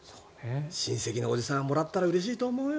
親戚のおじさんはもらったらうれしいと思うよ。